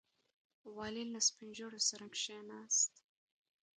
والي له سپین ږیرو سره کښېناست.